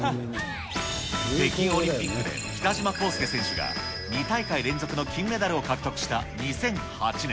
北京オリンピックで北島康介選手が２大会連続の金メダルを獲得した２００８年。